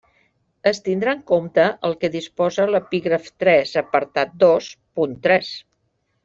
Es tindrà en compte el que disposa l'epígraf tres, apartat dos, punt tres.